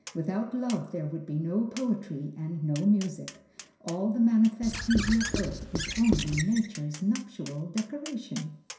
Without love there would be no poetry and no music. All the manifest beauty of earth is only Nature's nuptial decoration.